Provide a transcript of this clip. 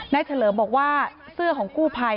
นายเฉลิมบอกว่าเสื้อของกู่ไพร